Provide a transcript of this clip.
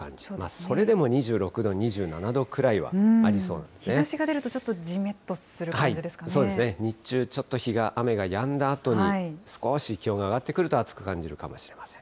それでも２６度、２７度くらいは日ざしが出ると、ちょっとじそうですね、日中、ちょっと日が、雨がやんだあとに、少し気温が上がってくると、暑く感じるかもしれません。